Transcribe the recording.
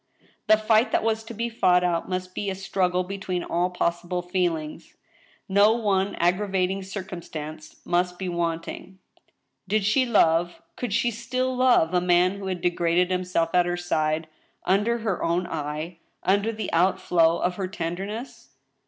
The fight that was to be fought out must be a struggle between all possible feelings. No one aggra vating circumstance must be wanting. Did she love, could she still love a man who had degraded him self at her side, under her own eye, under the outflow of her tender ness?